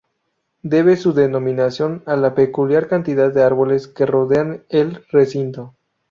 Debe su denominación a la peculiar cantidad de árboles que rodean el recinto.